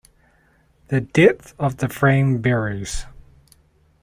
The depth of the frame varies.